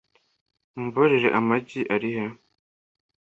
Mumbabarire, amagi arihe?